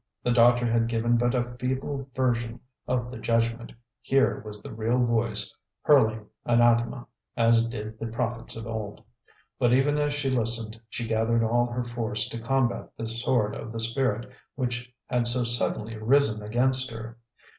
The doctor had given but a feeble version of the judgment; here was the real voice hurling anathema, as did the prophets of old. But even as she listened, she gathered all her force to combat this sword of the spirit which had so suddenly risen against her.